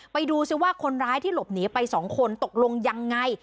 ไปดูซิว่าคนร้ายที่หลบหนีไป๒คนตกลงยังไง